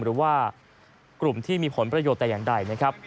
หรือว่ากลุ่มที่มีผลประโยชน์แต่อย่างใดนะครับ